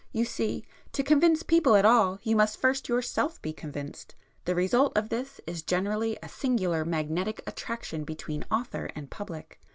You see, to convince people at all, you must first yourself be convinced. The result of this is generally a singular magnetic attraction between author and public.